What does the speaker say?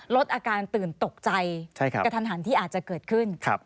ลดอาการตื่นตกใจกระทันหันที่อาจจะเกิดขึ้น